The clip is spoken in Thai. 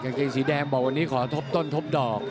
เกงสีแดงบอกวันนี้ขอทบต้นทบดอก